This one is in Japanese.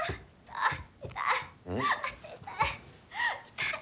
痛い。